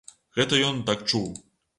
Гэта ён так чуў!